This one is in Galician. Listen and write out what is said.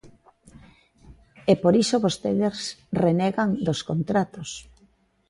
E por iso vostedes renegan dos contratos.